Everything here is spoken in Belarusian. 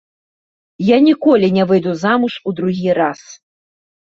Я ніколі не выйду замуж у другі раз!